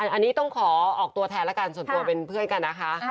อันนี้ต้องขอออกตัวแทนแล้วกันส่วนตัวเป็นเพื่อนกันนะคะ